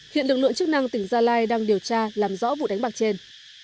hiện lực lượng chức năng tỉnh gia lai đang điều tra làm rõ vụ đánh bạc trên